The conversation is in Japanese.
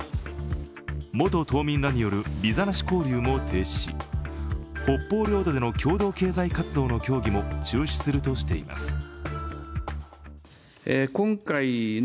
元島民らによるビザなし交流も停止し北方領土での共同経済活動の協議も中止するとしています。